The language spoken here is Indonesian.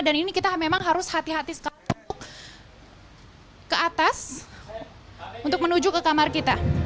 dan ini kita memang harus hati hati sekali untuk ke atas untuk menuju ke kamar kita